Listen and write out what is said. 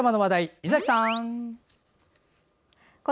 猪崎さん。